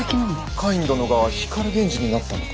カイン殿が光源氏になったのか？